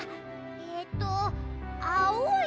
えっとあおい